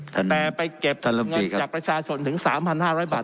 แต่ไปเก็บเงินจากประชาชนถึง๓๕๐๐บาท